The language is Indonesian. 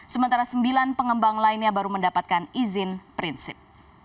sementara sembilan pengembang lainnya baru mendapatkan izin prinsip